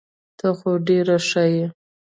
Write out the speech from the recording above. ته خو ډير ښه يي .